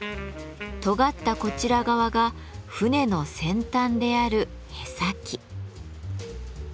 とがったこちら側が船の先端である舳先。